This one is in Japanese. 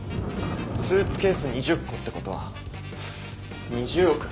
スーツケース２０個ってことは２０億。